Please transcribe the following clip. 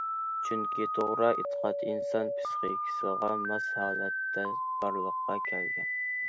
چۈنكى، توغرا ئېتىقاد ئىنسان پىسخىكىسىغا ماس ھالەتتە بارلىققا كەلگەن.